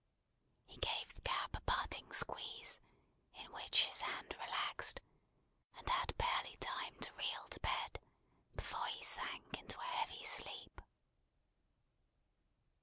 He gave the cap a parting squeeze, in which his hand relaxed; and had barely time to reel to bed, before he sank into a heavy sleep.